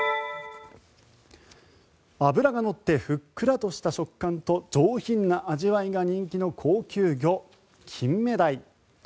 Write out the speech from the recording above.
脂が乗ってふっくらとした食感と上品な味わいが人気の高級魚キンメダイ。